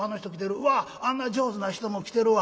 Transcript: うわっあんな上手な人も来てるわ。